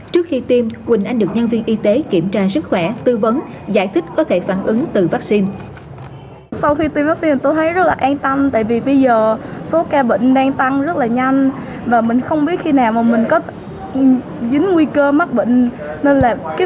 trước khi tiêm quỳnh anh được nhân viên y tế kiểm tra sức khỏe tư vấn giải thích có thể phản ứng từ vaccine